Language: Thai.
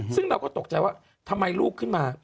ซึ่งเราก็ตกใจว่าทำไมลูกขึ้นมา